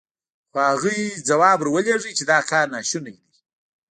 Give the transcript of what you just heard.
خو هغوی ځواب ور ولېږه چې دا کار ناشونی دی.